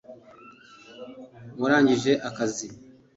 warangije akazi